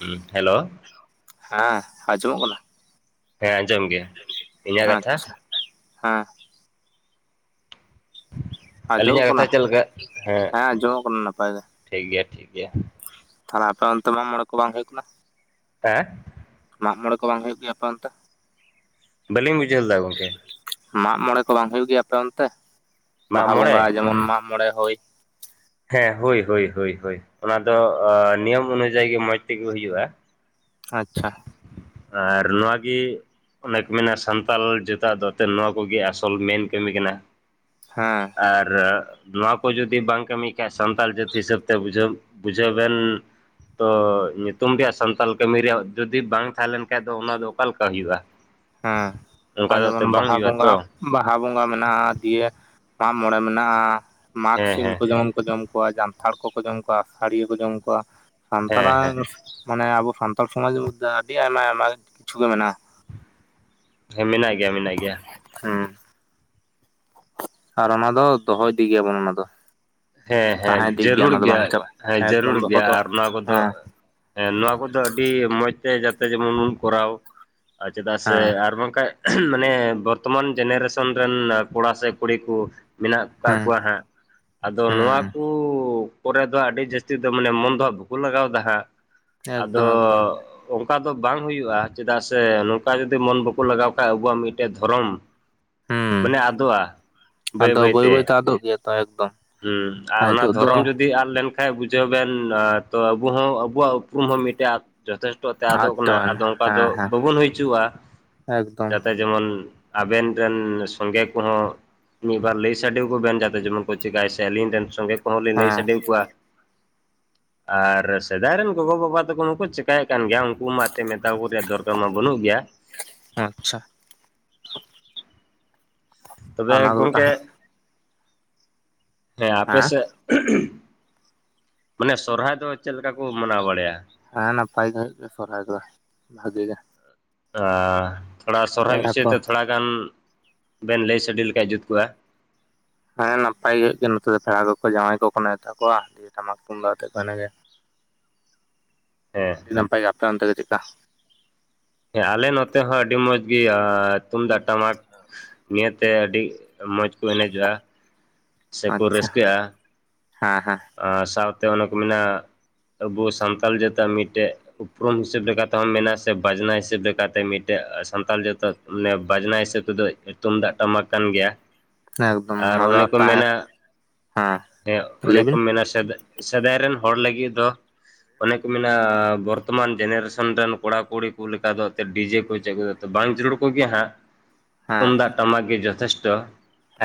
ᱦᱩᱸ ᱦᱮᱞᱳᱻ ᱦᱮᱸ ᱟᱸᱡᱚᱢᱚᱜ ᱠᱟᱱᱟ? ᱦᱮᱸ ᱟᱸᱡ ᱟᱪᱪᱷᱟ ᱦᱮᱸ ᱾ ᱟᱸᱡᱚᱢᱚᱜ ᱟᱹᱞᱤᱧᱟᱜ ᱠᱟᱱᱟ ᱠᱟᱛᱷᱟ ᱪᱮᱜ ᱞᱮᱠᱟ? ᱦᱮᱸ ᱟᱸᱡᱚᱢᱚᱜ ᱠᱟᱱᱟ ᱱᱟᱯᱟᱭ ᱜᱮ ᱴᱷᱤᱠ ᱜᱮᱭᱟ ᱴᱷᱤᱠ ᱜᱮᱭᱟ ᱾ ᱛᱟᱦᱚᱞᱮ ᱟᱯᱮ ᱚᱱᱛᱮ ᱢᱟᱜ ᱢᱚᱬᱮ ᱠᱚ ᱵᱟᱝ ᱦᱩᱭᱩᱜ ᱠᱟᱱᱟ? ᱦᱮᱸ? ᱢᱟᱜ ᱢᱚᱬᱮ ᱠᱚ ᱵᱟᱝ ᱦᱩᱭᱩᱜ ᱜᱮᱭᱟ ᱟᱯᱮ ᱚᱱᱛᱮ? ᱵᱟᱹᱞᱤᱧ ᱵᱩᱡᱷᱟᱹᱣ ᱞᱮᱫᱟ ᱜᱚᱢᱠᱮ ᱾ ᱢᱟᱜ ᱢᱚᱬᱮ ᱠᱚ ᱵᱟᱝ ᱦᱩᱭᱩᱜ ᱜᱮᱭᱟ ᱟᱯᱮ ᱚᱱᱛᱮ? ᱢᱟᱜ ᱵᱟᱦᱟ ᱢᱚᱬᱮ ᱵᱚᱸᱜᱟ ᱡᱮᱢᱚᱱ ᱢᱟᱜ ᱢᱚᱲᱮ ᱦᱳᱭ ᱾ ᱦᱮᱸ ᱦᱳᱭ ᱦᱳᱭ ᱦᱳᱭ ᱦᱳᱭ, ᱚᱱᱟ ᱫᱚ ᱱᱤᱭᱚᱢ ᱚᱱᱩᱡᱟᱭᱤ ᱜᱮ ᱢᱚᱸᱡᱽ ᱛᱮᱜᱮ ᱦᱩᱭᱩᱜᱼᱟ ᱾ ᱟᱪᱪᱷᱟ ᱾ ᱟᱨ ᱱᱚᱣᱟ ᱜᱤ ᱚᱱᱮ ᱠᱚ ᱢᱮᱱᱟ ᱥᱟᱱᱛᱟᱞ ᱡᱟᱹᱛ ᱟᱜ ᱫᱚ ᱮᱛᱮᱫ ᱱᱚᱣᱟ ᱠᱚᱜᱮ ᱟᱥᱚᱞ ᱢᱮᱱ ᱠᱟᱹᱢᱤ ᱠᱟᱱᱟ ᱾ ᱦᱮᱸ ᱾ ᱟᱨᱻ ᱱᱚᱣᱟ ᱠᱚ ᱡᱩᱫᱤ ᱵᱟᱝ ᱠᱟᱹᱢᱤ ᱠᱷᱟᱡ ᱥᱟᱱᱛᱟᱞ ᱡᱟᱹᱛ ᱦᱤᱥᱟᱹᱵᱽ ᱛᱮ ᱵᱩᱡᱷᱟᱹᱣ ᱵᱩᱡᱷᱟᱹᱣ ᱵᱮᱱ ᱛᱚ ᱧᱩᱛᱩᱢ ᱨᱮᱭᱟᱜ ᱥᱟᱱᱛᱟᱞ ᱠᱟᱹᱢᱤ ᱨᱮᱭᱟᱜ ᱡᱩᱫᱤ ᱵᱟᱝ ᱛᱟᱦᱮ ᱞᱮᱱ ᱠᱷᱟᱡ ᱫᱚ ᱚᱱᱟ ᱫᱚ ᱚᱠᱟ ᱞᱮᱠᱟ ᱦᱩᱭᱩᱜᱼᱟ ᱾ ᱦᱮᱸ ᱟᱨ ᱡᱮᱢᱚᱱ ᱵᱟᱝ ᱵᱟᱦᱟ ᱦᱩᱭᱩᱜᱼᱟ ᱵᱚᱸᱜᱟ ᱛᱚ ᱵᱟᱦᱟ ᱵᱚᱸᱜᱟ ᱢᱮᱱᱟᱜᱼᱟ ᱫᱤᱭᱮ ᱢᱟᱜ ᱢᱚᱲᱮ ᱢᱮᱱᱟᱜᱼᱟ ᱢᱟᱜᱽ ᱦᱮᱸ ᱥᱤᱢ ᱦᱮᱸ ᱠᱩ ᱡᱮᱢᱚᱱ ᱠᱚ ᱡᱚᱢ ᱠᱚᱣᱟ ᱡᱟᱱᱛᱷᱟᱲ ᱠᱚᱠᱚ ᱡᱚᱢ ᱠᱚᱣᱟ ᱟᱥᱟᱲᱤᱭᱟᱹ ᱠᱚ ᱡᱚᱢ ᱠᱚᱣᱟ ᱦᱮᱸ ᱦᱮᱸ ᱥᱟᱱᱛᱟᱲᱟᱸᱜ ᱢᱟᱱᱮ ᱟᱵᱚ ᱥᱟᱱᱛᱟᱲ ᱥᱚᱢᱟᱡᱽ ᱨᱮ ᱟᱹᱰᱤ ᱟᱭᱢᱟ ᱟᱭᱢᱟ ᱠᱤᱪᱷᱩ ᱜᱮ ᱢᱮᱱᱟᱜᱼᱟ ᱾ ᱦᱮᱸ ᱢᱮᱱᱟᱜ ᱜᱮᱭᱟ ᱢᱮᱱᱟᱜ ᱜᱮᱭᱟ ᱾ ᱦᱩᱸ ᱾ ᱟᱨ ᱚᱱᱟ ᱫᱚ ᱫᱚᱦᱚ ᱤᱫᱤ ᱜᱮᱭᱟᱵᱚᱱ ᱚᱱᱟ ᱫᱚ ᱾ ᱦᱮᱸ ᱦᱮᱸ ᱡᱟᱹᱨᱩᱲ ᱜᱮᱭᱟ ᱪᱟᱵᱟᱜᱼᱟ ᱦᱮᱸ ᱮᱠᱫᱚᱢ ᱡᱟᱹᱨᱩᱲ ᱫᱚᱦᱚ ᱜᱮᱭᱟ ᱫᱚ ᱾ ᱟᱨ ᱱᱚᱣᱟ ᱠᱚᱫᱚ ᱦᱮᱸ ᱦᱮᱸ ᱱᱚᱣᱟ ᱠᱚᱫᱚ ᱟᱹᱰᱤ ᱢᱚᱸᱡᱽ ᱛᱮ ᱡᱟᱛᱮ ᱡᱮᱢᱚᱱ ᱵᱚᱱ ᱠᱚᱨᱟᱣ [inaudible] ᱟᱨ ᱪᱮᱫᱟᱜ ᱥᱮ ᱦᱮᱸ ᱟᱨ ᱵᱟᱝᱠᱷᱟᱡ ᱢᱟᱱᱮ ᱵᱚᱨᱛᱚᱢᱟᱱ ᱡᱮᱱᱟᱨᱮᱥᱚᱱ ᱨᱮᱱ ᱠᱚᱲᱟ ᱥᱮ ᱠᱩᱲᱤ ᱠᱩ ᱢᱮᱱᱟᱜ ᱟᱠᱟᱫ ᱦᱮᱸ ᱠᱚᱣᱟ ᱦᱟᱸᱜ ᱟᱫᱚ ᱱᱚᱣᱟ ᱦᱮᱸ ᱠᱩ ᱠᱚᱨᱮ ᱫᱚ ᱟᱹᱰᱤ ᱡᱟᱹᱥᱛᱤ ᱫᱚ ᱢᱟᱱᱮ ᱢᱚᱱ ᱫᱚ ᱦᱟᱸᱜ ᱵᱟᱠᱚ ᱞᱟᱜᱟᱣ ᱮᱫᱟ ᱦᱟᱸᱜ ᱾ ᱮᱠᱫᱚᱢ ᱟᱫᱚᱻ ᱮᱠᱫᱚᱢ ᱚᱱᱠᱟ ᱫᱚ ᱵᱟᱝ ᱦᱩᱭᱩᱜᱼᱟ ᱪᱮᱫᱟᱜ ᱥᱮ ᱱᱚᱝᱠᱟ ᱡᱩᱫᱤ ᱢᱚᱱ ᱵᱟᱠᱚ ᱞᱟᱜᱟᱣ ᱠᱷᱟᱡ ᱟᱵᱚᱣᱟᱜ ᱢᱤᱫᱴᱮᱡ ᱫᱷᱚᱨᱚᱢ ᱦᱩᱸ ᱢᱟᱱᱮ ᱟᱫᱚᱜᱼᱟ [inaudible] ᱟᱫᱚ ᱵᱟᱹᱭ ᱵᱟᱹᱭᱛᱮ ᱟᱫᱚᱜ ᱜᱮᱭᱟ ᱛᱚ ᱮᱠᱫᱚᱢ ᱾ ᱦᱩᱸ ᱟᱨ ᱚᱱᱟ ᱫᱷᱚᱨᱚᱢ ᱡᱩᱫᱤ ᱡᱟᱹᱛᱤ ᱟᱫ ᱞᱮᱱᱠᱷᱟᱱ ᱵᱩᱡᱷᱟᱹᱣ ᱵᱮᱱ ᱛᱚ ᱟᱵᱚ ᱦᱚᱸ ᱟᱵᱚᱣᱟᱜ ᱩᱯᱨᱩᱢ ᱦᱚᱸ ᱢᱤᱫᱴᱮᱡ ᱡᱚᱛᱷᱮᱥᱴᱚ ᱛᱮ ᱟᱫ ᱟᱫᱚᱜ ᱠᱟᱱᱟ ᱪᱟᱵᱟᱭᱮᱱᱟ ᱟᱫᱚ ᱚᱱᱠᱟ ᱦᱮᱸ ᱫᱚ ᱦᱮᱸ ᱵᱟᱵᱚᱱ ᱦᱩᱭᱪᱚᱼᱟ ᱮᱠᱫᱚᱢ ᱡᱟᱛᱮ ᱡᱮᱢᱚᱱ ᱟᱵᱮᱱ ᱨᱮᱱ ᱥᱚᱸᱜᱮ ᱠᱚᱦᱚᱸ ᱢᱤᱫ ᱵᱟᱨ ᱞᱟᱹᱭ ᱥᱟᱰᱮ ᱟᱠᱚᱵᱮᱱ ᱡᱟᱛᱮ ᱡᱮᱢᱚᱱ ᱠᱚ ᱪᱤᱠᱟᱭ ᱥᱮ ᱟᱹᱞᱤᱧ ᱨᱮᱱ ᱥᱚᱸᱜᱮ ᱠᱚᱦᱚᱸ ᱞᱤᱧ ᱞᱟᱹᱭ ᱦᱮᱸ ᱥᱟᱰᱮᱣ ᱠᱚᱣᱟ ᱾ ᱟᱨ ᱥᱮᱫᱟᱭ ᱨᱮᱱ ᱜᱚᱜᱚᱵᱟᱵᱟ ᱛᱟᱠᱚ ᱢᱟᱠᱚ ᱪᱮᱠᱟᱭᱮᱜ ᱠᱟᱱ ᱜᱮᱭᱟ, ᱩᱝᱠᱩ ᱢᱟ ᱛᱮ ᱢᱮᱛᱟ ᱠᱚ ᱨᱮᱭᱟᱜ ᱫᱚᱨᱠᱟᱨ ᱢᱟ ᱵᱟᱹᱱᱩᱜ ᱜᱮᱭᱟ ᱾ ᱟᱪᱪᱷᱟ ᱾ ᱛᱚᱵᱮ ᱜᱚᱝᱠᱮ ᱦᱮᱸ, ᱟᱯᱮ ᱥᱮᱜ ᱢᱟᱱᱮ ᱥᱚᱨᱦᱟᱭ ᱫᱚ ᱪᱮᱫᱞᱮᱠᱟ ᱠᱚ ᱢᱟᱱᱟᱣ ᱵᱟᱲᱟᱭᱟ? ᱦᱮᱸ, ᱱᱟᱯᱟᱭ ᱜᱷᱟᱹᱜ ᱥᱚᱨᱦᱟᱭ ᱫᱚ ᱵᱷᱟᱜᱤ ᱜᱮ ᱾ ᱟᱻ ᱛᱷᱚᱲᱟ ᱥᱚᱨᱚᱦᱟᱭ ᱯᱮᱲᱟ ᱵᱤᱥᱚᱭ ᱠᱚ ᱛᱮ ᱛᱷᱚᱲᱟ ᱜᱟᱱ ᱵᱮᱱ ᱞᱟᱹᱭ ᱥᱟᱰᱮ ᱞᱮᱠᱷᱟᱡ ᱡᱩᱛ ᱠᱚᱜᱼᱟ? ᱦᱮᱸ, ᱱᱟᱯᱟᱭ ᱜᱮ ᱦᱩᱭᱩᱜ ᱜᱮᱭᱟ ᱱᱚᱛᱮ ᱫᱚ ᱯᱮᱲᱟ ᱠᱚ ᱡᱟᱶᱟᱭ ᱠᱚᱠᱚ ᱱᱮᱣᱛᱟ ᱠᱚᱣᱟ ᱾ ᱫᱤᱭᱮ ᱴᱟᱢᱟᱠ ᱛᱩᱢᱫᱟᱜ ᱟᱛᱮᱜ ᱠᱚ ᱤᱱᱮᱡᱟ ᱾ ᱦᱮᱸ ᱾ ᱱᱟᱯᱟᱭ ᱜᱮ ᱟᱯᱮ ᱚᱱᱛᱮ ᱜᱮ ᱪᱮᱫᱠᱟ? ᱦᱮᱸ, ᱟᱞᱮ ᱱᱚᱛᱮ ᱦᱚᱸ ᱟᱹᱰᱤ ᱢᱚᱸᱡᱽ ᱜᱮ ᱟᱸᱻ ᱛᱩᱢᱫᱟᱜ ᱴᱟᱢᱟᱠ ᱱᱤᱭᱟᱹ ᱛᱮ ᱟᱹᱰᱤ ᱢᱚᱸᱡᱽ ᱠᱚ ᱮᱱᱮᱡᱚᱜᱼᱟ ᱾ ᱟᱪᱪᱷᱟ, ᱦᱮᱸ ᱦᱮᱸ ᱾ ᱟᱨ ᱥᱟᱶᱛᱮ ᱚᱱᱟ ᱠᱚ ᱢᱮᱱᱟ ᱟᱵᱚ ᱥᱟᱱᱛᱟᱞ ᱡᱟᱹᱛᱟᱹᱜ ᱢᱤᱫᱴᱮᱜ ᱩᱯᱨᱩᱢ ᱦᱤᱥᱟᱹᱵ ᱞᱮᱠᱟᱛᱮᱦᱚᱢ ᱢᱮ ᱵᱟᱡᱽᱱᱟ ᱦᱤᱥᱟᱹᱵ ᱞᱮᱠᱟᱛᱮ ᱢᱤᱫᱴᱮᱜ ᱥᱟᱱᱛᱟᱞ ᱡᱟᱹᱛᱟᱹᱫ ᱚᱱᱮ ᱵᱟᱡᱽᱱᱟ ᱦᱤᱥᱟᱹᱵ ᱛᱮᱫᱚ ᱛᱩᱢᱫᱟᱜ ᱴᱟᱢᱟᱠ ᱠᱟᱱ ᱜᱮᱭᱟ ᱾ ᱮᱠᱫᱚᱢ ᱚᱱᱟ ᱫᱚ ᱛᱟᱦᱮᱸ ᱦᱮᱸ ᱚᱱᱮ ᱞᱟᱹᱭ ᱠᱚ ᱵᱤᱱ! ᱢᱮᱱᱟ ᱥᱮᱵᱮᱜ ᱥᱮᱫᱟᱭ ᱨᱮᱱ ᱦᱚᱲ ᱞᱟᱹᱜᱤᱫ ᱫᱚ ᱚᱱᱮ ᱠᱚ ᱢᱮᱱᱟᱻ ᱵᱚᱨᱛᱚᱢᱟᱱ ᱡᱮᱱᱟᱨᱮᱥᱚᱱ ᱨᱮᱱ ᱠᱚᱲᱟ ᱠᱩᱲᱤ ᱠᱩ ᱞᱮᱠᱟ ᱫᱚ ᱮᱱᱛᱮᱡ ᱰᱤᱡᱮ ᱠᱚ ᱪᱟᱹᱜᱩᱭᱟ, ᱛᱚ ᱵᱟᱝ ᱡᱟᱹᱨᱩᱲ ᱠᱚᱜᱮ ᱦᱟᱸᱜ ᱾ [inaudible] ᱛᱩᱢᱫᱟᱜ ᱴᱟᱢᱟᱠ ᱜᱮ ᱡᱚᱛᱷᱮᱥᱴᱚ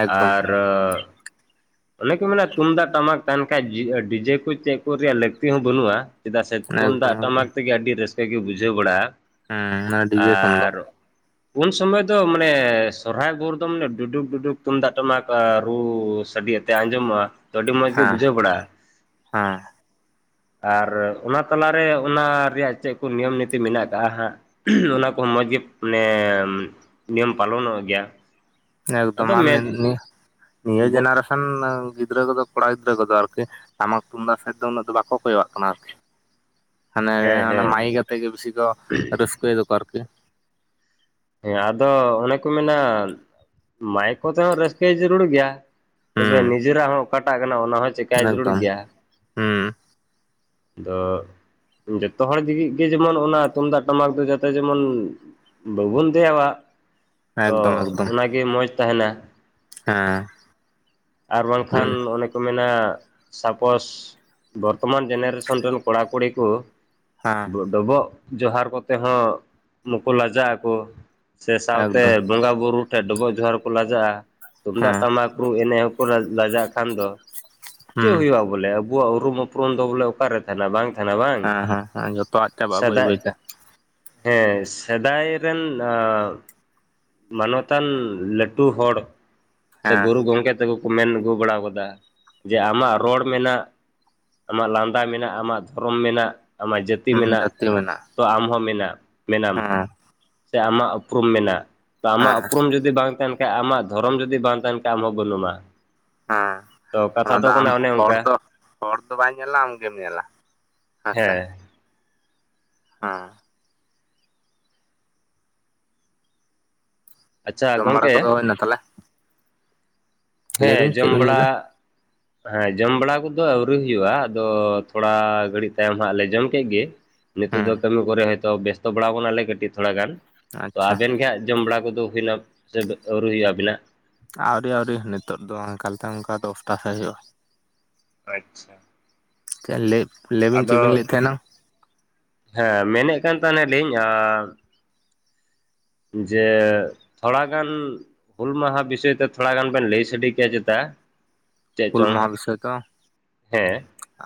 ᱮᱠᱫᱚᱢ ᱟᱨ ᱟᱨ ᱚᱱᱮ ᱠᱚ ᱢᱮᱱᱟ ᱛᱩᱢᱫᱟᱜ ᱴᱟᱢᱟᱠ ᱠᱟᱱ ᱠᱷᱟᱡ ᱡᱮᱜ ᱰᱤᱡᱮ ᱠᱚ ᱪᱮᱫ ᱠᱚ ᱨᱮᱭᱟᱜ ᱞᱟᱹᱠᱛᱤ ᱦᱚᱸ ᱵᱟᱹᱱᱩᱜᱼᱟ ᱾ ᱪᱮᱫᱟᱜ ᱥᱮ ᱛᱩᱢᱫᱟᱜ ᱴᱟᱢᱟᱠ ᱛᱮᱜᱮ ᱟᱹᱰᱤ ᱨᱟᱹᱥ ᱠᱟᱹ ᱜᱮ ᱵᱩᱡᱷᱟᱹᱣ ᱵᱟᱲᱟᱜᱼᱟ, ᱦᱩᱸ ᱰᱤᱡᱮ ᱠᱷᱚᱱ ᱫᱚ ᱟᱨᱻ ᱩᱱ ᱥᱚᱢᱚᱭ ᱫᱚ ᱢᱟᱱᱮ ᱥᱚᱨᱦᱟᱭ ᱵᱷᱳᱨ ᱫᱚ ᱢᱟᱱᱮ ᱰᱩᱰᱩᱠᱼᱩᱰᱩᱠ ᱛᱩᱢᱫᱟᱜ ᱴᱟᱢᱟᱠ ᱟᱸ ᱨᱩ ᱥᱟᱰᱮᱛ ᱛᱮ ᱟᱸᱡᱚᱢᱮᱜᱼᱟ ᱛᱚ ᱟᱹᱰᱤ ᱢᱚᱡᱽ ᱜᱮ ᱦᱮᱸ ᱵᱩᱡᱷᱟᱹ ᱵᱟᱲᱟᱜᱼᱟ ᱾ ᱦᱮᱸ ᱟᱨ ᱚᱱᱟ ᱛᱟᱞᱟᱨᱮ ᱚᱱᱟ ᱨᱮᱭᱟᱜ ᱪᱮᱜ ᱠᱚ ᱱᱤᱭᱚᱢ ᱱᱤᱛᱤ ᱢᱮᱱᱟᱜ ᱟᱠᱟᱜᱼᱟ ᱦᱟᱸᱜ? ᱚᱱᱟ ᱠᱚᱦᱚᱸ ᱢᱚᱸᱡᱽ ᱜᱮ ᱱᱮ ᱱᱤᱭᱚᱢ ᱯᱟᱞᱚᱱᱚᱜ ᱜᱮᱭᱟ ᱾ ᱮᱠᱫᱚᱢ, ᱟᱱ ᱱᱤ-ᱱᱤᱭᱟᱹ ᱱᱤᱭᱟᱹ ᱡᱮᱱᱟᱨᱮᱥᱚᱱ ᱜᱤᱫᱽᱨᱟᱹ ᱠᱚᱫᱚ ᱠᱚᱲᱟ ᱜᱤᱫᱽᱨᱟᱹ ᱠᱚᱫᱚ ᱟᱨᱠᱤ ᱴᱟᱢᱟᱠ ᱛᱩᱢᱫᱟᱜ ᱥᱮᱫ ᱫᱚ ᱩᱱᱟᱹᱜ ᱫᱚ ᱵᱟᱠᱚ ᱠᱚᱭᱚᱣᱟᱜ ᱠᱟᱱᱟ ᱟᱨᱠᱤ ᱾ ᱦᱟᱱᱮ ᱦᱮᱸ ᱚᱱᱮ ᱦᱮᱸ ᱢᱟᱭᱤᱠ ᱟᱛᱮ ᱜᱮ ᱵᱮᱥᱤ ᱠᱚ ᱨᱟᱹᱥᱠᱟᱹᱭ ᱫᱟᱠᱚ ᱟᱨᱠᱤ ᱾ ᱦᱮᱸ ᱟᱫᱚ ᱚᱱᱮ ᱠᱚ ᱢᱮᱱᱟ ᱢᱟᱭᱤᱠ ᱠᱚᱛᱮ ᱦᱚᱸ ᱨᱟᱹᱥᱠᱟᱹᱭ ᱡᱟᱹᱨᱩᱲ ᱜᱮᱭᱟ, ᱛᱚᱵᱮ ᱦᱩᱸ ᱱᱤᱡᱮᱨᱟᱜ ᱦᱚᱸ ᱚᱠᱟᱴᱟᱜ ᱠᱟᱱᱟ ᱚᱱᱟ ᱦᱚᱸ ᱪᱮᱠᱟᱭ ᱡᱟᱹᱨᱩᱲ ᱮᱠᱫᱚᱢ ᱜᱮᱭᱟ ᱾ ᱦᱩᱸ ᱾ ᱟᱫᱚ ᱡᱚᱛᱚ ᱦᱚᱲ ᱡᱤᱜᱤᱜ ᱜᱮ ᱡᱮᱢᱚᱱ ᱚᱱᱟ ᱛᱩᱢᱫᱟᱜ ᱴᱟᱢᱟᱠ ᱫᱚ ᱡᱟᱛᱮ ᱡᱮᱢᱚᱱ ᱵᱟᱵᱩᱱ ᱫᱮᱣᱟᱣᱟ, ᱛᱚ ᱮᱠᱫᱚᱢ ᱮᱠᱫᱚᱢ ᱚᱱᱟᱜᱮ ᱢᱚᱡᱽ ᱛᱟᱦᱮᱱᱟ ᱾ ᱦᱮᱸ ᱾ ᱟᱨ ᱵᱟᱝᱠᱷᱟᱱ ᱚᱱᱮ ᱠᱚ ᱢᱮᱱᱟ ᱥᱟᱯᱳᱥ ᱵᱚᱨᱛᱚᱢᱟᱱ ᱡᱮᱱᱟᱨᱮᱥᱚᱱ ᱨᱮᱱ ᱠᱚᱲᱟ ᱠᱩᱲᱤ ᱠᱚ ᱦᱮᱸ [unintelligible] ᱰᱚᱵᱚᱜ ᱡᱚᱦᱟᱨ ᱠᱚᱛᱮ ᱦᱚᱸ ᱱᱩᱠᱩ ᱞᱟᱡᱟᱜ ᱟᱠᱚ ᱾ ᱥᱮ ᱥᱟᱶᱛᱮ ᱮᱠᱫᱚᱢ ᱵᱚᱸᱜᱟ ᱵᱩᱨᱩ ᱴᱷᱮᱡ ᱰᱚᱵᱚᱜ ᱡᱚᱦᱟᱨ ᱠᱚ ᱞᱟᱡᱟᱜᱼᱟ ᱛᱩᱢᱫᱟᱜ ᱦᱮᱸ ᱴᱟᱢᱟᱠ ᱨᱩ ᱮᱱᱮᱡ ᱦᱚᱸ ᱞᱟᱜᱟᱜ ᱠᱷᱟᱱ ᱫᱚ ᱪᱮᱫ ᱦᱩᱸ ᱦᱩᱭᱩᱜᱼᱟ ᱵᱚᱞᱮ ᱟᱵᱚᱣᱟᱜ ᱩᱨᱩᱢ ᱩᱯᱨᱩᱢ ᱫᱚ ᱵᱚᱞᱮ ᱚᱠᱟ ᱨᱮᱼᱼ [unintelligible] ᱵᱟᱝ ᱛᱟᱦᱮᱱᱟ ᱵᱟᱝ ᱦᱮᱸ ᱦᱮᱸ ᱡᱚᱛᱚᱣᱟᱜ ᱪᱟᱵᱟᱜᱼᱟ ᱵᱟᱹᱭ ᱥᱟᱫᱟᱜ ᱵᱟᱹᱭᱛᱮ ᱦᱮᱸ ᱥᱮᱫᱟᱭ ᱨᱮᱱ [unintelligible] ᱢᱟᱱᱚᱛᱟᱱ ᱞᱟᱹᱴᱩ ᱦᱚᱲᱼᱼ ᱥᱮ ᱦᱮᱸ ᱜᱩᱨᱩ ᱜᱚᱢᱠᱮ ᱛᱟᱠᱚ ᱠᱚ ᱢᱮᱱ ᱟᱹᱜᱩ ᱵᱟᱲᱟ ᱟᱠᱟᱫᱟ ᱠᱟᱫᱟ ᱡᱮ ᱟᱢᱟᱜ ᱨᱚᱲ ᱢᱮᱱᱟᱜ ᱟᱢᱟᱜ ᱞᱟᱸᱫᱟ ᱢᱮᱱᱟᱜᱼᱟ ᱟᱢᱟᱜ ᱫᱷᱚᱨᱚᱢ ᱢᱮᱱᱟᱜ ᱟᱢᱟᱜ ᱡᱟᱹᱛᱤ ᱦᱩᱸ ᱢᱮᱱᱟᱜ ᱡᱟᱹᱛᱤ ᱢᱮᱱᱟᱜᱼᱟ ᱛᱚ ᱟᱢ ᱦᱚᱸ ᱢᱮᱱᱟ ᱢᱮᱱᱟᱢ ᱦᱮᱸ ᱥᱮ ᱟᱢᱟᱜ ᱩᱯᱨᱩᱢ ᱢᱮᱱᱟᱜ ᱛᱚ ᱟᱢᱟᱜ ᱦᱮᱸ ᱩᱯᱨᱩᱢ ᱡᱩᱫᱤᱼᱼ ᱡᱩᱫᱤ ᱵᱟᱝ ᱛᱟᱦᱮᱱ ᱠᱷᱟᱡ ᱟᱢᱟᱜ ᱫᱷᱚᱨᱚᱢ ᱡᱩᱫᱤ ᱵᱟᱝ ᱛᱟᱦᱮᱱ ᱠᱷᱟᱡ ᱟᱢ ᱦᱚᱸ ᱵᱟᱹᱱᱩᱢᱟ ᱦᱮᱸ ᱛᱚ ᱚᱱᱟ ᱠᱟᱛᱷᱟ ᱫᱚ ᱟᱢ ᱠᱟᱱᱟ ᱚᱱᱮ ᱦᱚᱲ ᱚᱱᱠᱟ ᱫᱚ ᱦᱚᱲ ᱫᱚ ᱵᱟᱭ ᱧᱮᱞᱟ ᱟᱢ ᱜᱮᱢ ᱧᱮᱞᱟ ᱟᱥᱟᱼᱼ ᱦᱮᱸ ᱦᱮᱸ ᱟᱪᱪᱷᱟ ᱡᱚᱢ ᱵᱟᱲᱟ ᱠᱚᱫᱚ ᱜᱚᱝᱠᱮ ᱦᱩᱭᱱᱟ ᱛᱟᱦᱞᱮ ᱦᱮᱸ ᱪᱮᱫ ᱡᱚᱢ ᱵᱤᱱ ᱞᱟᱹᱭᱫᱟ ᱵᱟᱲᱟ ᱦᱮᱸ ᱡᱚᱢ ᱵᱟᱲᱟ ᱠᱚᱫᱚ ᱟᱹᱣᱨᱤ ᱦᱩᱭᱩᱜᱼᱟ ᱟᱫᱚ ᱛᱷᱚᱲᱟ ᱜᱷᱟᱹᱲᱤᱡ ᱛᱟᱭᱚᱢ ᱦᱟᱸᱜ ᱞᱮ ᱡᱚᱢ ᱠᱮᱫ ᱜᱮᱼᱼ ᱱᱤᱛᱚᱜ ᱫᱚ ᱦᱮᱸ ᱠᱟᱹᱢᱤ ᱠᱚᱨᱮ ᱦᱚᱭᱛᱳ ᱵᱮᱥᱛᱚ ᱵᱟᱲᱟᱣ ᱟᱠᱟᱱᱟᱞᱮ ᱠᱟᱹᱴᱤᱡ ᱛᱷᱚᱲᱟ ᱜᱟᱱ ᱛᱚ ᱟᱪᱪᱷᱟ ᱟᱵᱮᱱ ᱜᱮ ᱦᱟᱸᱜ ᱡᱚᱢ ᱵᱟᱲᱟ ᱠᱚᱫᱚ ᱦᱩᱭᱱᱟ ᱥᱮ ᱟᱹᱣᱨᱤ ᱦᱩᱭᱩᱜᱼᱟ ᱟᱵᱤᱱᱟᱜᱼᱼ ᱟᱹᱣᱨᱤ ᱟᱹᱣᱨᱤ ᱱᱤᱛᱚᱜ ᱫᱚ ᱚᱱᱠᱟ ᱞᱮᱠᱟ ᱚᱱᱠᱟ ᱫᱚᱥᱴᱟ ᱥᱮᱫ ᱦᱩᱭᱩᱜᱼᱟ ᱟᱪᱪᱷᱟ ᱪᱮ ᱞᱟᱹᱭ ᱞᱟᱹᱭ ᱵᱤᱱ ᱪᱮᱫ ᱟᱫᱚ ᱵᱤᱱ ᱞᱟᱹᱭ ᱮᱫ ᱛᱟᱦᱮᱱᱟ ᱦᱮᱸ ᱢᱮᱱᱮᱫ ᱠᱟᱱ ᱛᱟᱦᱮᱱᱟ ᱞᱤᱧ ᱟᱨᱼᱼ ᱡᱮ ᱛᱷᱚᱲᱟᱜᱟᱱ ᱦᱩᱞ ᱢᱟᱦᱟ ᱵᱤᱥᱚᱭ ᱛᱮ ᱛᱷᱚᱲᱟ ᱜᱟᱱ ᱵᱮᱱ ᱞᱟᱹᱭ ᱥᱟᱰᱮ ᱠᱮᱭᱟ ᱪᱮᱛᱟ ᱪᱮᱫ ᱦᱩᱞ ᱪᱚᱝ ᱢᱟᱦᱟ ᱵᱤᱥᱚᱭ ᱛᱚ ᱦᱮᱸ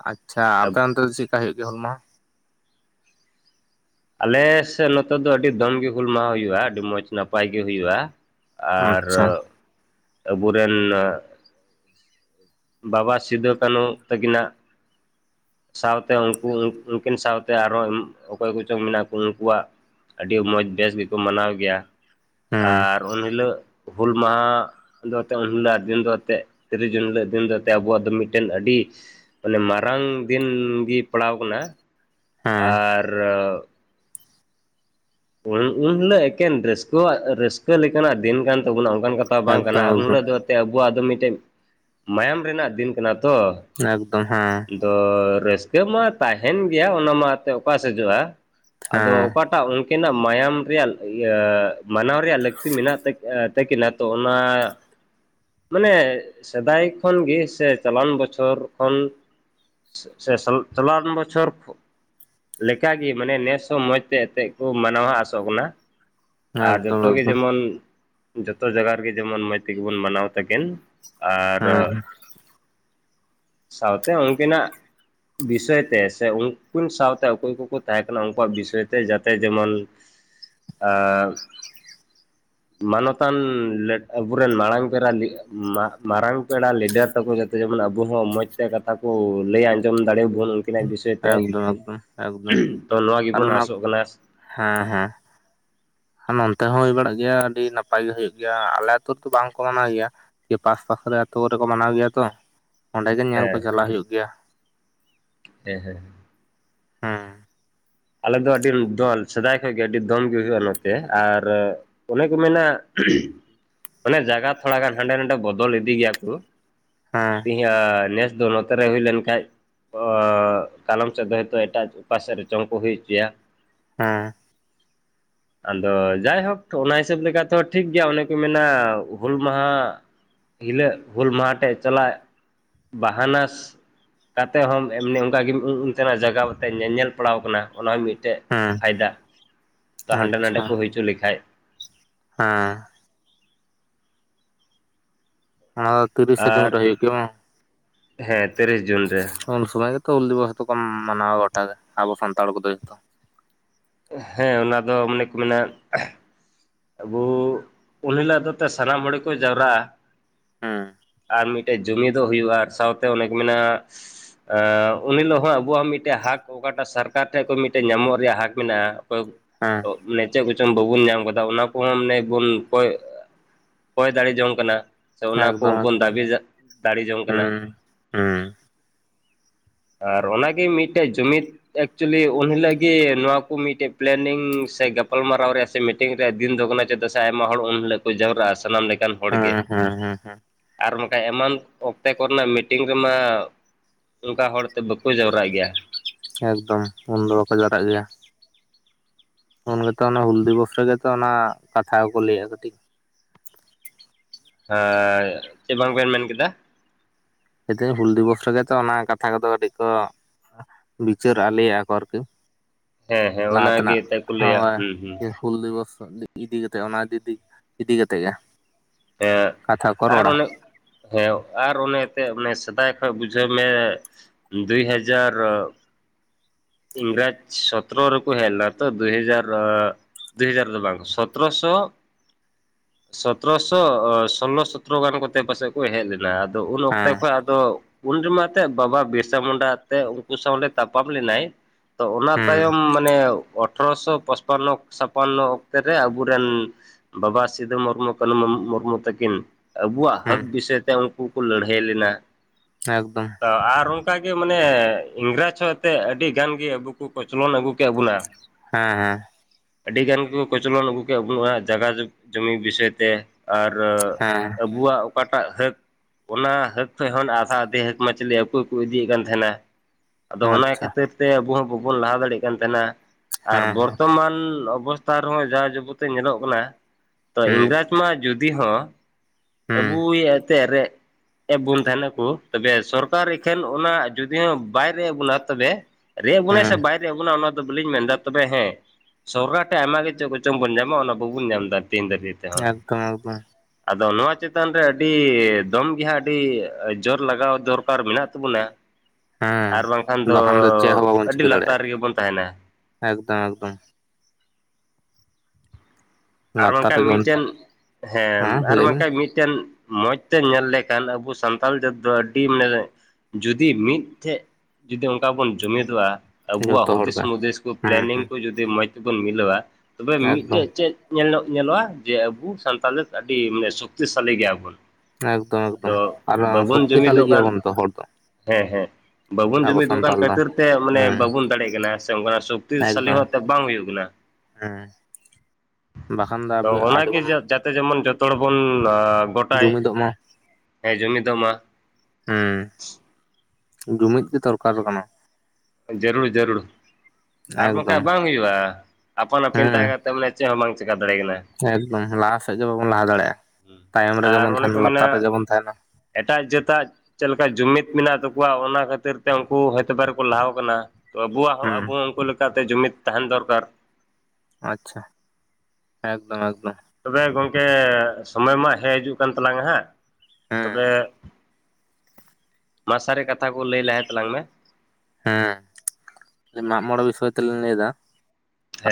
ᱟᱪᱪᱷᱟ ᱟᱯᱮ ᱚᱱᱛᱮ ᱫᱚ ᱪᱮᱫᱠᱟ ᱦᱩᱭᱩᱜ ᱜᱮ ᱦᱩᱞ ᱢᱟᱦᱟ ᱟᱞᱮ ᱥᱮᱫ ᱱᱚᱛᱮ ᱫᱚ ᱟᱹᱰᱤ ᱫᱚᱢ ᱜᱮ ᱦᱩᱞ ᱢᱟᱦᱟ ᱦᱩᱭᱩᱜᱼᱟ ᱟᱹᱰᱤ ᱢᱚᱡᱽ ᱱᱟᱯᱟᱭ ᱜᱮ ᱦᱩᱭᱩᱜᱼᱟ ᱟᱨ ᱟᱪᱪᱷᱟ ᱟᱵᱚ ᱨᱮᱱ [unintelligible] ᱵᱟᱵᱟ ᱥᱤᱫᱩ ᱠᱟᱹᱱᱦᱩ ᱛᱟᱹᱠᱤᱱᱟᱜ ᱥᱟᱶ ᱛᱮ ᱩᱱᱠᱩ ᱩᱱᱠᱤᱱ ᱥᱟᱶ ᱛᱮ ᱟᱨ ᱦᱚᱸ ᱚᱠᱚᱭ ᱠᱚᱪᱚᱝ ᱢᱮᱱᱟᱜ ᱠᱚ ᱩᱱᱠᱩᱣᱟᱜ ᱟᱹᱰᱤ ᱢᱚᱡᱽ ᱵᱮᱥ ᱜᱮ ᱠᱚ ᱢᱟᱱᱟᱣ ᱜᱮᱭᱟ ᱦᱮᱸ ᱟᱨ ᱩᱱ ᱦᱤᱞᱳᱜ ᱦᱩᱞ ᱢᱟᱦᱟ ᱟᱫᱚ ᱮᱱᱛᱮᱫ ᱩᱱᱦᱤᱞᱳᱜ ᱫᱤᱱ ᱫᱚ ᱮᱱᱛᱮᱫ ᱛᱤᱨᱤᱥ ᱡᱩᱱ ᱦᱤᱞᱳᱜ ᱫᱤᱱ ᱫᱚ ᱛᱮᱜ ᱟᱵᱚᱣᱟᱜ ᱫᱚ ᱢᱤᱫᱴᱮᱱ ᱟᱹᱰᱤᱼᱼ ᱢᱟᱱᱮ ᱢᱟᱨᱟᱝ ᱫᱤᱱ ᱜᱮ ᱯᱟᱲᱟᱣ ᱠᱟᱱᱟ ᱦᱮᱸ ᱟᱨ ᱩᱱ ᱩᱱ ᱦᱤᱞᱳᱜ ᱮᱠᱮᱱ ᱨᱟᱹᱥᱠᱟᱹᱣᱟᱜ ᱨᱟᱹᱥᱠᱟᱹ ᱞᱮᱠᱟᱱᱟᱜ ᱫᱤᱱ ᱠᱟᱱ ᱛᱟᱵᱚᱱᱟ ᱚᱱᱠᱟᱱ ᱠᱟᱛᱷᱟ ᱵᱟᱝ ᱠᱟᱱᱟ ᱮᱠᱫᱚᱢ ᱟᱨ ᱩᱱ ᱮᱠᱫᱚᱢ ᱦᱤᱞᱳᱜ ᱫᱚ ᱮᱱ ᱟᱵᱚᱣᱟᱜ ᱫᱚ ᱢᱤᱫᱴᱮᱡ ᱢᱟᱭᱟᱢ ᱨᱮᱱᱟᱜ ᱫᱤᱱ ᱠᱟᱱᱟ ᱛᱚ ᱮᱠᱫᱚᱢ ᱦᱮᱸᱼᱼ ᱟᱫᱚ ᱨᱟᱹᱥᱠᱟᱹ ᱢᱟ ᱛᱟᱦᱮᱱ ᱜᱮᱭᱟ ᱚᱱᱟ ᱢᱟ ᱮᱱᱛᱮᱫ ᱚᱠᱟ ᱥᱮᱡᱚᱜᱼᱟ ᱟᱫᱚ ᱦᱮᱸ ᱚᱠᱟ ᱩᱱᱠᱤᱱᱟᱜ ᱢᱟᱭᱟᱢ ᱨᱮᱭᱟᱜ ᱤᱭᱟᱹ ᱢᱟᱱᱟᱣ ᱨᱮᱭᱟᱜ ᱞᱟᱹᱠᱛᱤ ᱢᱮᱱᱟᱜ [unintelligible] ᱛᱟᱹᱠᱤᱱᱟ ᱛᱚ ᱚᱱᱟᱼᱼ ᱢᱟᱱᱮ ᱥᱮᱫᱟᱭ ᱠᱷᱚᱱ ᱜᱮ ᱥᱮ ᱪᱟᱞᱟᱣ ᱮᱱ ᱵᱚᱪᱷᱚᱨ ᱠᱷᱚᱱᱼᱼ [unintelligible] ᱥᱮ ᱪᱟᱞᱟᱣ ᱮᱱ ᱵᱚᱪᱷᱚᱨᱼᱼ ᱞᱮᱠᱟ ᱜᱮ ᱢᱟᱱᱮ ᱱᱮᱥ ᱦᱚᱸ ᱢᱚᱡᱽ ᱛᱮ ᱮᱱᱛᱮᱫ ᱠᱚ ᱢᱟᱱᱟᱣᱟ ᱟᱥᱚᱜ ᱠᱟᱱᱟ ᱟᱨ ᱮᱠᱫᱚᱢ ᱡᱚᱛᱚ ᱜᱮ ᱮᱠᱫᱚᱢ ᱡᱮᱢᱚᱱ ᱡᱚᱛᱚ ᱡᱟᱭᱜᱟ ᱨᱮᱜᱮ ᱡᱮᱢᱚᱱ ᱢᱚᱡᱽ ᱛᱮᱜᱮ ᱵᱚᱱ ᱢᱟᱱᱟᱣ ᱛᱟᱹᱠᱤᱱ ᱟᱨ ᱦᱮᱸ ᱥᱟᱶ ᱛᱮ ᱩᱱᱠᱤᱱᱟᱜᱼᱼ ᱵᱤᱥᱚᱭ ᱛᱮ ᱥᱮ ᱩᱱᱠᱤᱱ ᱥᱟᱶ ᱛᱮ ᱚᱠᱚᱭ ᱠᱚᱠᱚ ᱛᱟᱦᱮᱸ ᱠᱟᱱᱟ ᱩᱱᱠᱩᱣᱟᱜ ᱵᱤᱥᱚᱭ ᱛᱮ ᱡᱟᱛᱮ ᱡᱮᱢᱚᱱ [unintelligible] [inaudible] ᱢᱟᱱᱚᱛᱟᱱ ᱞᱮᱴ ᱟᱵᱚᱨᱮᱱ ᱢᱟᱲᱟᱝ ᱯᱮᱲᱟ ᱢᱟᱨᱟᱝ ᱯᱮᱲᱟ ᱞᱤᱰᱟᱨ ᱠᱚ ᱡᱟᱛᱮ ᱡᱮᱢᱚᱱ ᱟᱵᱚ ᱦᱚᱸ ᱢᱚᱡᱽ ᱛᱮ ᱠᱟᱛᱷᱟ ᱠᱚ ᱞᱟᱹᱭ ᱟᱸᱡᱚᱢ ᱫᱟᱲᱮᱵᱚᱱ ᱩᱱᱠᱤᱱᱟᱜ ᱵᱤᱥ ᱛᱮ ᱮᱠᱫᱚᱢ ᱮᱠᱫᱚᱢ ᱮᱠᱫᱚᱢ ᱛᱚ ᱱᱚᱣᱟ ᱟᱨ ᱜᱮᱵᱚᱱ ᱚᱱᱟ ᱟᱥᱚᱜ ᱠᱟᱱᱟ, ᱦᱮᱸ ᱦᱮᱸ ᱟ ᱱᱚᱱᱛᱮ ᱦᱚᱸ ᱦᱩᱭ ᱵᱟᱲᱟᱜ ᱜᱮᱭᱟ ᱟᱹᱰᱤ ᱱᱟᱯᱟᱭ ᱜᱮ ᱦᱩᱭᱩᱜ ᱜᱮᱭᱟ ᱟᱞᱮ ᱟᱹᱛᱩ ᱨᱮᱫᱚ ᱵᱟᱝ ᱠᱚ ᱢᱟᱱᱟᱣ ᱜᱮᱭᱟ᱾ ᱯᱟᱥᱯᱟᱥ ᱨᱮ ᱟᱛᱳ ᱠᱚᱨᱮ ᱠᱚ ᱢᱟᱱᱟᱣ ᱜᱮᱭᱟ ᱛᱚ ᱚᱸᱰᱮ ᱜᱮ ᱧᱮᱞ ᱠᱚ ᱦᱮᱸ ᱪᱟᱞᱟᱜ ᱦᱩᱭᱩᱜ ᱜᱮᱭᱟ᱾ ᱦᱮᱸ ᱦᱮᱸ ᱦᱮᱸ ᱟᱞᱮ ᱫᱚ ᱟᱹᱰᱤ ᱫᱚᱞ ᱥᱮᱫᱟᱭ ᱠᱷᱚᱱᱜ ᱜᱮ ᱟᱹᱰᱤ ᱫᱚᱢ ᱜᱮ ᱦᱩᱭᱩᱜ-ᱟ ᱱᱚᱛᱮ ᱟᱨ ᱚᱱᱮ ᱠᱚ ᱢᱮᱱᱟ ᱢᱟᱱᱮ ᱡᱟᱜᱟ ᱛᱷᱚᱲᱟᱟᱜᱟᱱ ᱦᱟᱸᱰᱮ ᱱᱟᱰᱮ ᱵᱚᱫᱚᱞ ᱤᱫᱤ ᱜᱮᱭᱟ ᱠᱩ᱾ ᱦᱮᱸ ᱛᱤᱦᱟᱹ ᱱᱮᱥ ᱫᱚ ᱱᱚᱛᱮ ᱨᱮ ᱦᱩᱭ ᱞᱮᱱᱠᱷᱟᱡ, ᱚ ᱠᱟᱞᱚᱢ ᱥᱮᱫ ᱫᱚ ᱦᱚᱭᱛᱳ ᱮᱴᱟᱜ ᱚᱠᱟᱥᱮᱫ ᱨᱮ ᱪᱚᱝ ᱠᱚ ᱦᱩᱭ ᱦᱚᱪᱚᱭᱟ ᱦᱮᱸ ᱟᱫᱚ ᱡᱟᱭᱦᱳᱠ ᱚᱱᱟ ᱦᱤᱥᱟᱹᱵ ᱞᱮᱠᱟ ᱛᱮᱦᱚᱸ ᱴᱷᱤᱠ ᱜᱮᱭᱟ ᱚᱱᱮ ᱠᱚ ᱢᱮᱱᱟ ᱦᱩᱞ ᱢᱟᱦᱟ ᱦᱤᱞᱟᱹᱜ ᱦᱩᱞ ᱢᱟᱦᱟᱴᱮ ᱪᱟᱞᱟᱜ ᱵᱟᱦᱟᱱᱟᱥ ᱠᱟᱛᱮ ᱦᱚᱸᱢ ᱮᱢᱱᱤ ᱚᱱᱠᱟᱟᱜᱮ ᱚᱱᱛᱮᱱᱟᱜ ᱡᱟᱜᱟᱣᱛᱮ ᱧᱮᱧᱮᱞ ᱯᱟᱲᱟᱣ ᱠᱟᱱᱟ ᱚᱱᱟ ᱦᱚᱸ ᱢᱤᱫᱴᱮᱡ ᱦᱮᱸ ᱯᱷᱟᱭᱫᱟ᱾ ᱛᱚ ᱦᱟᱸᱰᱮ ᱱᱟᱰᱮ ᱟᱪᱪᱷᱟ ᱠᱚ ᱦᱩᱭᱪᱚ ᱞᱮᱠᱷᱟᱡ, ᱦᱮᱸ ᱚᱱᱟ ᱫᱚ ᱛᱤᱨᱤᱥᱮ ᱡᱩᱱ ᱟᱨ ᱨᱮ ᱦᱩᱭᱩᱜ ᱜᱮᱭᱟ ᱵᱟᱝ? ᱦᱮᱸ ᱛᱤᱨᱤᱥ ᱡᱩᱱ ᱨᱮ᱾ ᱩᱱ ᱥᱩᱢᱚᱭ ᱜᱮᱛᱚ ᱩᱞ ᱫᱤᱵᱚᱥ ᱫᱚᱚ ᱠᱚ ᱢᱟᱱᱟᱣᱟ ᱜᱚᱴᱟᱜᱮ ᱟᱵᱚ ᱥᱟᱱᱛᱟᱲ ᱠᱚᱫᱚ ᱡᱚᱛᱚ᱾ ᱦᱮᱸ ᱚᱱᱟᱫᱚ ᱢᱟᱱᱮ ᱠᱚ ᱢᱮᱱᱟ ᱟᱵᱚ ᱩᱱ ᱦᱤᱞᱳᱜ ᱫᱚ ᱛᱮ ᱥᱟᱱᱟᱢ ᱦᱚᱲ ᱜᱮ ᱠᱚ ᱡᱟᱣᱨᱟᱜ-ᱟ᱾ ᱦᱩᱸ ᱟᱨ ᱢᱤᱫᱴᱮᱡ ᱡᱩᱢᱤᱫ ᱫᱚ ᱦᱩᱭᱩᱜ-ᱟ ᱟᱨ ᱥᱟᱶᱛᱮ ᱚᱱᱮᱠ ᱢᱮᱱᱟ ᱩᱱ ᱦᱤᱞᱳᱜ ᱦᱚᱸ ᱟᱵᱚᱣᱟᱜ ᱢᱤᱫᱴᱮᱡ ᱦᱟᱠ ᱚᱠᱟᱴᱟᱜ ᱥᱚᱨᱠᱟᱨ ᱴᱷᱮᱡ ᱠᱷᱚᱡ ᱢᱤᱫᱴᱮᱱ ᱧᱟᱢᱚᱜ ᱨᱮᱭᱟᱜ ᱦᱟᱠ ᱢᱮᱱᱟᱜ-ᱟ ᱚᱠᱚᱭ ᱦᱮᱸ ᱳᱜ ᱢᱟᱱᱮ ᱪᱮᱜ ᱠᱚᱪᱚᱝ ᱵᱟᱵᱩᱱ ᱧᱟᱢ ᱠᱟᱫᱟ᱾ ᱚᱱᱟ ᱠᱚᱦᱚᱸ ᱢᱟᱱᱮ ᱵᱚᱱ ᱠᱚᱭ ᱠᱚᱭ ᱫᱟᱲᱮ ᱡᱚᱝ ᱠᱟᱱᱟ᱾ ᱥᱮ ᱚᱱᱟ ᱮᱠᱫᱚᱢ ᱠᱚᱦᱚᱸ ᱵᱚᱱ ᱮᱠᱫᱚᱢ ᱫᱟᱹᱵᱤ ᱫᱟᱲᱮ ᱡᱚᱝ ᱠᱟᱱᱟ᱾ ᱦᱮᱸ ᱦᱮᱸ ᱟᱨ ᱚᱱᱟᱜᱮ ᱢᱤᱫᱴᱮᱡ ᱡᱩᱢᱤᱫ ᱮᱠᱪᱩ ᱞᱤ ᱩᱱᱦᱤᱞᱳᱜ ᱜᱮ ᱱᱚᱣᱟ ᱠᱚ ᱢᱤᱫᱴᱮᱡ ᱯᱮᱞᱮᱱᱤᱜ ᱥᱮ ᱜᱟᱯᱟᱞᱢᱟᱨᱟᱣ ᱨᱮ ᱥᱮ ᱢᱤ ᱛᱤᱝ ᱨᱮᱭᱟᱜ ᱫᱤᱱ ᱫᱚ ᱠᱟᱱᱟ ᱪᱮ ᱫᱟᱥᱟᱹᱟᱭᱢᱟ ᱦᱚᱲ ᱩᱱ ᱦᱤᱞᱳᱜ ᱠᱚ ᱡᱟᱣᱨᱟᱜ-ᱟ ᱥᱟᱱᱟᱢ ᱞᱮᱠᱟᱱ ᱦᱚᱲ ᱦᱮᱸ ᱜᱮ ᱦᱮᱸ ᱦᱮᱸ ᱦᱮᱸ ᱟᱨ ᱚᱱᱠᱟ ᱮᱢᱟᱱ ᱚᱠᱛᱮ ᱠᱚᱨᱮᱱᱟᱜ ᱢᱤᱴᱤᱝ ᱨᱮᱢᱟ ᱚᱝᱠᱟ ᱦᱚᱲᱛᱮ ᱵᱟᱠᱚ ᱡᱟᱣᱨᱟᱜ ᱜᱮᱭᱟ᱾ ᱮᱠᱫᱚᱢ ᱩᱱᱫᱚ ᱵᱟᱠᱚ ᱡᱟᱣᱨᱟᱜ ᱜᱮᱭᱟ᱾ ᱩᱱ ᱜᱮᱛᱚ ᱚᱱᱟ ᱦᱩᱞ ᱫᱤᱵᱚᱥ ᱨᱮᱜᱮᱛᱚ ᱚᱱᱟ ᱠᱟᱛᱷᱟ ᱠᱚ ᱠᱚ ᱞᱟᱹᱭᱟ ᱠᱟᱹᱴᱤᱡ᱾ ᱦᱮᱸ ᱪᱮᱜ ᱵᱟᱝ ᱵᱮᱱ ᱢᱮᱱ ᱠᱮᱫᱟ? ᱞᱟᱹᱭᱫᱟᱹᱧ ᱦᱩᱞ ᱫᱤᱵᱚᱥ ᱨᱮᱜᱮ ᱛᱚ ᱚᱱᱟ ᱠᱟᱛᱷᱟ ᱠᱚᱫᱚ ᱟᱹᱰᱤ ᱠᱚ ᱵᱤᱪᱟᱹᱨᱟ ᱨᱟᱜ-ᱟ ᱞᱮᱭᱟᱜ-ᱟ ᱠᱚ ᱟᱨᱠᱤ᱾ ᱦᱮᱸ ᱦᱮᱸ ᱞᱟᱦᱟ ᱚᱱᱟᱜᱮ ᱛᱮᱱᱟᱜ ᱛᱮ ᱠᱚ ᱞᱟᱹᱭᱟ ᱦᱩᱸ ᱦᱩᱸ ᱦᱳᱭ ᱦᱩᱞ ᱫᱤᱵᱚᱥ ᱤᱫᱤ ᱠᱟᱛᱮᱜ ᱚᱱᱟ ᱤᱫᱤ ᱠᱟᱛᱮᱫ ᱜᱮ ᱮᱸᱜ ᱠᱟᱛᱷᱟ ᱠᱚ ᱟᱨ ᱨᱚᱲᱟ ᱚᱱᱮ ᱦᱮᱸ ᱟᱨ ᱚᱱᱮ ᱮᱱᱛᱮᱜ ᱚᱱᱮ ᱥᱮᱫᱟᱭ ᱠᱷᱚᱱ ᱵᱩᱡᱷᱟᱹᱣ ᱢᱮ ᱫᱩᱭ ᱦᱟᱡᱟᱨ ᱤᱝᱨᱮᱡ ᱥᱚᱛᱨᱚ ᱨᱮᱠᱚ ᱦᱮᱡ ᱞᱮᱱᱟ ᱛᱚ? ᱫᱩᱭᱦᱟᱡᱟᱨ ᱫᱩᱭᱦᱟᱡᱟᱨ ᱫᱚ ᱵᱟᱝ ᱥᱚᱛᱨᱚᱥᱚ ᱥᱚᱛᱨᱚᱥᱚ ᱥᱳᱞᱞᱳ ᱥᱚᱛᱨᱚ ᱜᱟᱱ ᱠᱚᱛᱮ ᱯᱟᱥᱮᱫ ᱠᱚ ᱦᱮᱡ ᱞᱮᱱᱟ ᱟᱫᱚ ᱩᱱ ᱚᱠᱛᱮ ᱦᱮᱸ ᱠᱷᱚᱡ ᱟᱫᱚ ᱩᱱ ᱨᱮᱢᱟ ᱮᱱᱛᱮᱫ ᱵᱟᱵᱟ ᱵᱤᱨᱥᱟ ᱢᱩᱱᱰᱟ ᱮᱱᱛ ᱩᱱᱠᱩ ᱥᱟᱶᱞᱮ ᱛᱟᱯᱟᱢ ᱞᱮᱱᱟᱭ, ᱛᱚ ᱚᱱᱟ ᱦᱩᱸ ᱛᱟᱭᱚᱢ ᱢᱟᱱᱮ ᱟᱴᱷᱨᱚᱥᱚ ᱯᱚᱪᱯᱟᱱᱱᱚ ᱪᱷᱟᱯᱟᱱᱱᱚ ᱚᱠᱛᱮ ᱨᱮ ᱟᱵᱚᱨᱮᱱ ᱵᱟᱵᱟ ᱥᱤᱫᱩ ᱢᱩᱨᱢᱩ ᱠᱟᱱᱦᱩ ᱢᱩᱨᱢᱩ ᱛᱟᱹᱠᱤᱱ ᱟᱵᱚᱣᱟᱜ ᱦᱩᱸ ᱦᱠ ᱵᱤᱥᱚᱭ ᱛᱮ ᱩᱱᱠᱩ ᱠᱚ ᱞᱟᱹᱲᱦᱟᱹᱭ ᱞᱮᱱᱟ᱾ ᱮᱠᱫᱚᱢ᱾ ᱟᱨ ᱚᱱᱠᱟᱜᱮ ᱢᱟᱱᱮ ᱤᱝᱨᱮᱡᱽ ᱦᱚᱭᱛᱮ ᱟᱹᱰᱤ ᱜᱟᱱ ᱜᱮ ᱟᱵᱚ ᱠᱚ ᱠᱚᱪᱞᱚᱱ ᱟᱹᱜᱩ ᱠᱮᱜ ᱵᱩᱱᱟ, ᱦᱮᱸ ᱦᱮᱸ᱾ ᱟᱹᱰᱤ ᱜᱟᱱ ᱜᱮᱠᱚ ᱠᱚᱪᱞᱚᱱ ᱟᱹᱜᱩ ᱠᱮᱫ ᱵᱚᱱᱟ ᱡᱟᱜᱟ ᱡᱚ-ᱡᱩᱢᱤ ᱵᱤᱥᱚᱭ ᱛᱮ, ᱟᱨ ᱦᱮᱸ ᱟᱵᱩᱣᱟᱜ ᱚᱠᱟᱴᱟᱜ ᱦᱟᱹᱠ ᱚᱱᱟ ᱦᱟᱹᱠ ᱠᱷᱚᱡ ᱦᱚᱸ ᱟᱥᱟ ᱟᱫᱷᱮ ᱦᱟᱹᱠ ᱢᱟ ᱪᱤᱞᱤ ᱟᱠᱚ ᱜᱮᱠᱚ ᱤᱫᱤᱭᱮᱫ ᱠᱟᱱ ᱛᱟᱦᱮᱸᱱᱟ, ᱟᱫᱚ ᱚᱱᱟ ᱟᱪᱪᱷᱟ ᱠᱷᱟᱹᱛᱤᱨ ᱛᱮ ᱟᱵᱚ ᱦᱚᱸ ᱵᱟᱵᱚᱱ ᱞᱟᱦᱟ ᱫᱟᱲᱮᱜ ᱠᱟᱱ ᱛᱟᱦᱮᱸᱱᱟ ᱟᱨ ᱦᱮᱸ ᱦᱮᱸ ᱵᱚᱨᱛᱚᱢᱟᱱ ᱚᱵᱚᱥ ᱛᱟᱨ ᱦᱚᱸ ᱡᱟ ᱡᱩᱵᱩ ᱛᱤ ᱧᱮᱞᱚᱜ ᱠᱟᱱᱟ ᱛᱚ ᱦᱩᱸ ᱤᱝᱨᱟᱡ ᱢᱟ ᱡᱩᱫᱤ ᱦᱚᱸ ᱦᱩᱸ ᱟᱵᱩᱭ ᱮᱛᱮᱨᱮᱜ ᱮᱵᱳᱱ ᱛᱟᱦᱮᱸᱱᱟ ᱠᱚ ᱛᱚᱵᱮ ᱥᱚᱨᱠᱟᱨ ᱮᱠᱷᱮᱱ ᱚᱱᱟ ᱡᱩᱫᱤ ᱦᱚᱸ ᱵᱟᱭ ᱨᱮ ᱵᱚᱱᱟ ᱛᱚᱵᱮ ᱨᱮᱜ ᱵᱚᱱᱟᱭ ᱥᱮ ᱦᱩᱸ ᱵᱟᱭ ᱨᱮᱜ ᱵᱚᱱᱟ ᱚᱱᱟ ᱫᱚ ᱵᱟᱹᱞᱤᱧ ᱢᱮᱱ ᱫᱟ ᱛᱚᱵᱮ ᱦᱮᱸ ᱥᱚᱨᱨᱟ ᱴᱮ ᱟᱭᱢᱟ ᱜᱮ ᱪᱮᱜ ᱠᱚᱪᱚ ᱵᱚᱱ ᱧᱟᱢᱟ ᱚᱱᱟ ᱵᱟᱵᱚᱱ ᱧᱟᱢ ᱫᱟ ᱫᱤᱱ ᱜᱮ ᱫᱷᱟᱵᱤᱡ᱾ ᱮᱠᱫᱚᱢ ᱮᱠᱫᱚᱢ᱾ ᱟᱫᱚ ᱱᱚᱣᱟ ᱪᱮᱛᱟᱱ ᱨᱮ ᱟᱹᱰᱤ ᱫᱚᱢ ᱜᱮ ᱦᱟᱸᱜ ᱟᱹᱰᱤ ᱡᱳᱨ ᱞᱟᱜᱟᱣ ᱫᱚᱨᱠᱟᱨ ᱢᱮᱱᱟᱜ ᱛᱟᱵᱚᱱᱟ ᱦᱮᱸ ᱟᱨ ᱵᱟᱝᱠᱷᱟᱱ ᱫᱚ ᱵᱟᱠᱷᱟᱱ ᱪᱮᱫ ᱦᱚᱸ ᱵᱟᱵᱚᱱ ᱟᱹᱰᱤ ᱪᱤᱠᱟᱹ ᱞᱟᱛᱟᱨ ᱫᱟᱲᱮᱭᱟᱜᱼᱟ ᱨᱮ ᱜᱮ ᱵᱚᱱ ᱛᱟᱦᱮᱸᱟ᱾ ᱮᱠᱫᱚᱢ ᱮᱠᱫᱚᱢ᱾ ᱟᱨ ᱞᱟᱛᱟᱨ ᱵᱟᱝᱠᱷᱟᱪ ᱨᱮᱜᱮ ᱵᱚᱱ ᱢᱤᱫᱴᱮᱱ ᱦᱮᱸ ᱟᱨ ᱵᱟᱝᱠᱷᱟᱪ ᱢᱤᱫ ᱢᱤᱫᱴᱮᱱ ᱢᱚᱡᱽ ᱛᱮ ᱧᱮᱞ ᱞᱮᱠᱷᱟᱱ ᱟᱵᱚ ᱥᱟᱱᱛᱟᱞ ᱡᱟᱹᱛ ᱫᱚ ᱟᱹᱰᱤ ᱢᱟᱱᱮ ᱡᱩᱫᱤ ᱢᱤᱫᱴᱷᱮᱪ ᱡᱩᱫᱤ ᱚᱝᱠᱟ ᱵᱚᱱ ᱡᱩᱢᱤᱫᱚᱜᱼᱟ, ᱟᱵᱩᱣᱟᱜ ᱡᱚᱛᱚ ᱦᱚᱲ ᱦᱩᱫᱤᱥ ᱜᱮ ᱢᱩᱫᱤᱥ ᱠᱚ ᱦᱮᱸ ᱯᱞᱮᱱᱤᱝ ᱦᱮᱸ ᱠᱚ ᱡᱩᱫᱤ ᱢᱚᱸᱡᱽ ᱛᱮᱵᱚᱱ ᱢᱤᱞᱟᱹᱣᱟ ᱛᱚᱵᱮ ᱮᱠᱫᱚᱢ ᱢᱤᱫᱴᱮᱪ ᱪᱮᱫ ᱧᱮᱞᱚᱜ ᱧᱮᱞᱚᱜᱼᱟ ᱡᱮ ᱟᱵᱩ ᱥᱟᱱᱛᱟᱞ ᱨᱮ ᱟᱹᱰᱤ ᱢᱟᱱᱮ ᱥᱚᱠᱛᱤᱥᱟᱞᱤ ᱜᱮᱭᱟᱵᱚᱱ᱾ ᱮᱠᱫᱚᱢ ᱮᱠᱫᱚᱢ, ᱟᱫᱚ ᱟᱨᱚ ᱵᱟᱵᱚᱱ ᱡᱩᱢᱤᱫᱚᱜ ᱥᱚᱠᱛᱤᱥᱟᱞᱤ ᱜᱮᱭᱟᱵᱚᱱ ᱛᱚ ᱦᱚᱲ ᱫᱚ᱾ ᱦᱮᱸ ᱦᱮᱸ᱾ ᱵᱟᱵᱩᱱ ᱟᱵᱚ ᱢᱩᱡᱤᱫᱚᱜ ᱠᱟᱱ ᱥᱟᱱᱛᱟᱞ ᱫᱚ ᱠᱷᱟᱛᱤᱨ ᱛᱮ ᱢᱟᱱᱮ ᱦᱮᱸ ᱵᱟᱵᱩᱱ ᱫᱟᱲᱮᱜ ᱠᱟᱱᱟ ᱥᱮ ᱚᱱᱠᱟᱱᱟᱜ ᱥᱚᱠᱛᱤᱥᱟᱞᱤ ᱮᱠᱫᱚᱢ ᱦᱚᱸ ᱛᱮ ᱵᱟᱝ ᱦᱩᱭᱩᱜ ᱠᱟᱱᱟ᱾ ᱦᱮᱸ ᱵᱟᱠᱷᱟᱱ ᱫᱚ ᱟᱵᱚ ᱟᱹᱰᱤ ᱵᱚᱱ ᱛᱮ ᱡᱮᱢᱚᱱ ᱡᱚᱛᱚ ᱦᱚᱲ ᱵᱚᱱ ᱟᱻ ᱜᱚᱴᱟᱭ ᱡᱩᱢᱤᱫᱚᱜ ᱢᱟ ᱮ ᱡᱩᱢᱤᱫᱚᱜ ᱢᱟ, ᱦᱩᱸ ᱡᱩᱢᱤᱫ ᱜᱮ ᱫᱚᱨᱠᱟᱨ ᱠᱟᱱᱟ᱾ ᱡᱟᱹᱨᱩᱲ ᱡᱟᱹᱨᱩᱲ ᱟᱨ ᱵᱟᱝ ᱮᱠᱫᱚᱢ ᱠᱷᱟᱪ ᱵᱟᱝ ᱦᱩᱭᱩᱜᱼᱟ, ᱟᱯᱟᱱ ᱟᱯᱤᱱ ᱦᱮᱸ ᱛᱟᱸᱦᱮ ᱠᱟᱛᱮ ᱢᱟᱱᱮ ᱪᱮᱜ ᱦᱚᱸ ᱵᱟᱝ ᱪᱤᱠᱟ ᱫᱟᱲᱮ ᱠᱟᱱᱟ᱾ ᱮᱠᱫᱚᱢ ᱞᱟᱦᱟ ᱥᱮᱫ ᱜᱮ ᱵᱟᱵᱚᱱ ᱞᱟᱦᱟ ᱫᱟᱲᱮᱭᱟᱜᱼᱟ ᱛᱟᱭᱚᱢ ᱨᱮᱜᱮ ᱟᱨ ᱵᱚᱱ ᱚᱱᱮ ᱛᱟᱦᱮᱸᱱᱟ ᱠᱚ ᱞᱟᱛᱟᱨ ᱢᱮᱱᱟ ᱨᱮᱜᱮ ᱵᱚᱱ ᱛᱟᱦᱮᱸᱱᱟ᱾ ᱮᱴᱟᱜ ᱡᱟᱹᱛᱟᱜ ᱪᱮᱫ ᱞᱮᱠᱟ ᱡᱩᱢᱤᱫ ᱢᱮᱱᱟᱜ ᱛᱟᱠᱚᱣᱟ, ᱚᱱᱟ ᱠᱷᱟᱹᱛᱤᱨ ᱛᱮ ᱩᱱᱠᱩ ᱦᱚᱭᱛᱳ ᱵᱟᱨᱮ ᱠᱚ ᱞᱟᱦᱟᱣ ᱠᱟᱱᱟ᱾ ᱟᱵᱚᱣᱟᱜ ᱦᱚᱸ ᱦᱩᱸ ᱟᱵᱚ ᱩᱱᱠᱩ ᱞᱮᱠᱟᱛᱮ ᱡᱩᱢᱤᱫ ᱛᱟᱦᱮᱱ ᱫᱚᱨᱠᱟᱨ᱾ ᱟᱪᱪᱷᱟ ᱮᱠᱫᱚᱢ ᱮᱠᱫᱚᱢ᱾ ᱛᱚᱵᱮ ᱜᱚᱢᱠᱮ ᱥᱚᱢᱚᱭ ᱢᱟ ᱦᱮᱡ ᱦᱤᱡᱩᱜ ᱠᱟᱱ ᱛᱟᱞᱟᱝᱟ ᱦᱟᱸᱜ ᱦᱮᱸ ᱛᱚᱵᱮ ᱢᱟᱥᱟᱨᱮ ᱠᱟᱛᱷᱟ ᱠᱚ ᱞᱮᱭ ᱞᱟᱦᱟᱭ ᱛᱟᱞᱟᱝ ᱢᱮ ᱦᱮᱸ ᱢᱟᱜᱢᱚᱬᱮ ᱵᱤᱥᱚᱭ ᱛᱮᱞᱤᱧ ᱞᱮᱭ ᱫᱟ ᱦᱮᱸ